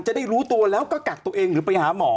จะได้รู้ตัวแล้วก็กักตัวเองหรือไปหาหมอ